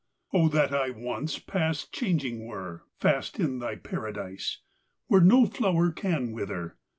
O that I once past changing were, Fast in thy paradise, where no flower can wither!